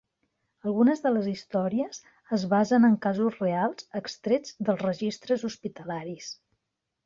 Algunes de les històries es basen en casos reals extrets dels registres hospitalaris.